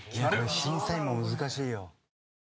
審査員も難しいよ。